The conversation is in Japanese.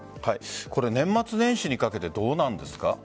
年末年始にかけてどうなんですか？